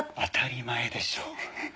当たり前でしょ。